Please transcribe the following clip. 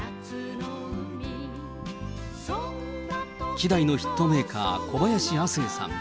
稀代のヒットメーカー、小林亜星さん。